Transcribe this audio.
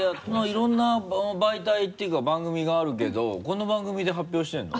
いろんな媒体っていうか番組があるけどこの番組で発表してるの？